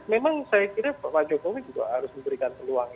memang saya kira pak jokowi juga harus memberikan peluang